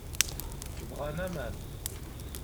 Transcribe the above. Bɣan aman.